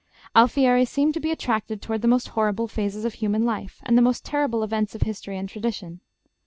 Alfieri seemed to be attracted toward the most horrible phases of human life, and the most terrible events of history and tradition.